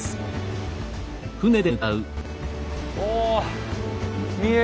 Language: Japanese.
お。